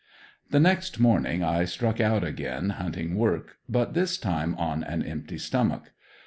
The next morning I struck out again hunting work, but this time on an empty stomach.